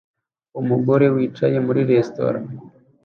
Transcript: Umugore wicaye muri resitora